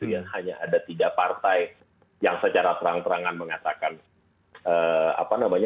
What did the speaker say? yang hanya ada tiga partai yang secara terang terangan mengatakan